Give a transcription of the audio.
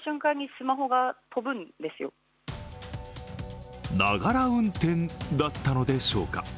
実はながら運転だったのでしょうか。